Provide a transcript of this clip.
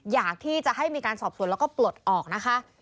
อยากที่จะให้มีการสอบส่วนแล้วก็ปลดออกนะคะ